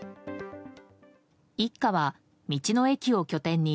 一家は道の駅を拠点に